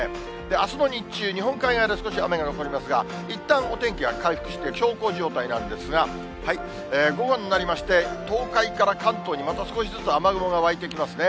あすの日中、日本海側で少し雨が残りますが、いったんお天気が回復して、小康状態なんですが、午後になりまして、東海から関東にまた少しずつ雨雲が湧いてきますね。